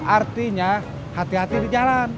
artinya hati hati di jalan